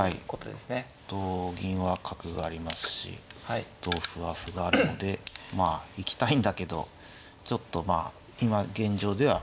同銀は角がありますし同歩は歩があるのでまあ行きたいんだけどちょっとまあ今現状では難しいというか。